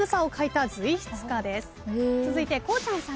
続いてこうちゃんさん。